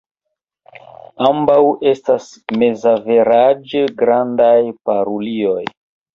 Ambaŭ estas mezaveraĝe grandaj parulioj.